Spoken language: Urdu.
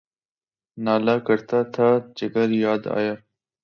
نالہ کرتا تھا، جگر یاد آیا